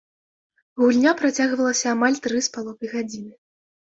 Гульня працягвалася амаль тры з паловай гадзіны.